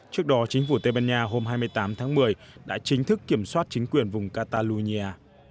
trước đó chính phủ tây ban nha hôm hai mươi tám tháng một mươi đã chính thức kiểm soát chính quyền vùng catalonia